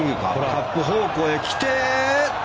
カップ方向へ来て。